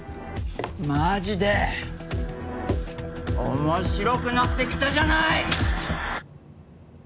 マジで面白くなってきたじゃない！